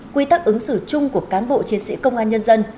quy tắc ứng xử chung của cán bộ chiến sĩ công an nhân dân